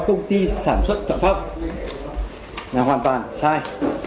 công ty sản xuất thuận pháp là hoàn toàn sai